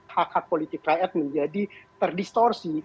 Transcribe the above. hak hak politik rakyat menjadi terdistorsi